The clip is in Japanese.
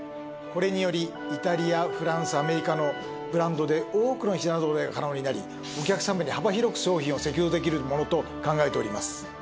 これによりイタリアフランスアメリカのブランドで多くの品ぞろえが可能になりお客様に幅広く商品を訴求できるものと考えております。